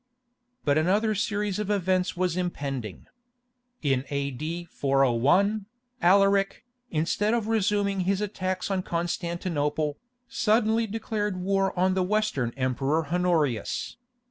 But another series of events was impending. In A.D. 401, Alaric, instead of resuming his attacks on Constantinople, suddenly declared war on the Western Emperor Honorius.